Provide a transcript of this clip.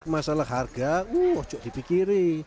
masalah harga wuh cukup dipikirin